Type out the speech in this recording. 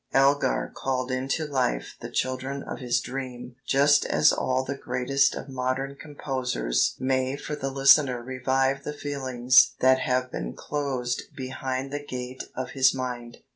"Elgar called into life the children of his dream just as all the greatest of modern composers may for the listener revive the feelings that have been closed behind the gate of his mind.